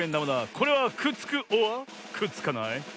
これはくっつくｏｒくっつかない？